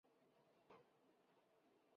现任总统文在寅反对同性婚姻。